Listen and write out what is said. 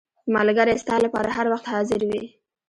• ملګری ستا لپاره هر وخت حاضر وي.